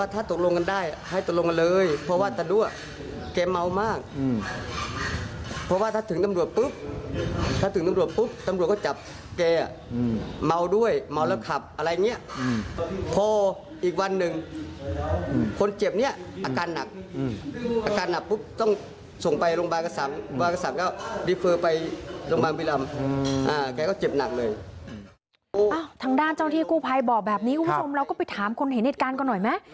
ทางด้านเจ้าหน้าที่กู้ภัยบอกแบบนี้คุณผู้ชมเราก็ไปถามคนเห็นเหตุการณ์ก่อนหน่อยไหม